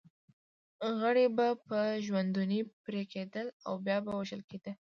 غړي به په ژوندوني پرې کېدل او بیا به وژل کېده.